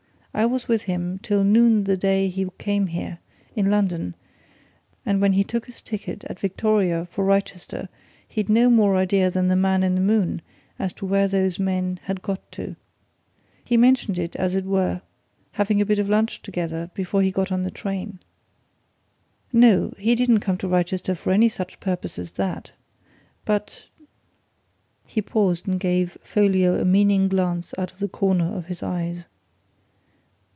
I was with him till noon the day he came here in London and when he took his ticket at Victoria for Wrychester, he'd no more idea than the man in the moon as to where those men had got to. He mentioned it as we were having a bit of lunch together before he got into the train. No he didn't come to Wrychester for any such purpose as that! But " He paused and gave Folliot a meaning glance out of the corner of his eyes.